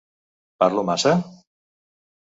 Parlo massa?